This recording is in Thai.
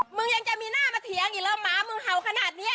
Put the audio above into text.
มึงยังจะมีหน้ามาเถียงอีกแล้วหมามึงเห่าขนาดนี้